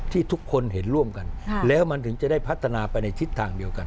ทุกคนเห็นร่วมกันแล้วมันถึงจะได้พัฒนาไปในทิศทางเดียวกัน